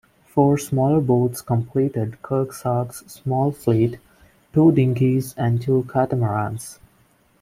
Four smaller boats completed "Kearsarge"s small fleet: two dinghies and two catamarans.